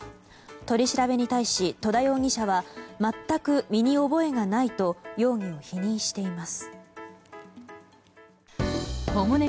取り調べに対し、戸田容疑者は全く身に覚えがないと容疑を否認しています。